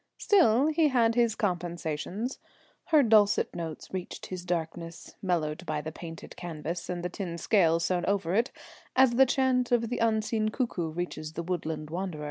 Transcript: Still he had his compensations; her dulcet notes reached his darkness (mellowed by the painted canvas and the tin scales sewn over it), as the chant of the unseen cuckoo reaches the woodland wanderer.